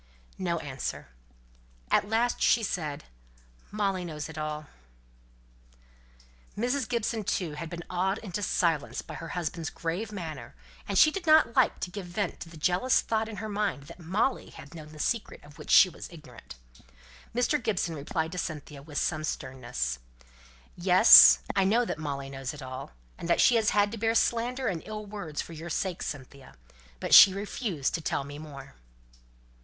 No answer. At last she said, "Molly knows it all." Mrs. Gibson, too, had been awed into silence by her husband's grave manner, and she did not like to give vent to the jealous thought in her mind that Molly had known the secret of which she was ignorant. Mr. Gibson replied to Cynthia with some sternness: "Yes! I know that Molly knows it all, and that she has had to bear slander and ill words for your sake, Cynthia. But she refused to tell me more."